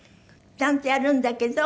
ちゃんとやるんだけど。